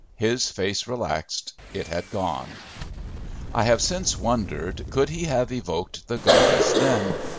His face relaxed. It had gone. I have since wondered, could he have evoked the goddess then?